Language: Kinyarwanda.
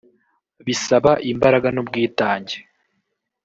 bisaba imbaraga n’ubwitange